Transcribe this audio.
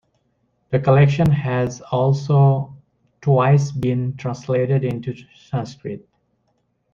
The collection has also twice been translated into Sanskrit.